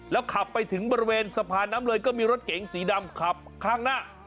แล้วขับไปถึงบริเวณสะพานน้ำเลยก็มีรถเก๋งสีดำขับข้างหน้า